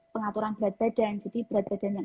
pengaturan berat badan jadi berat badan yang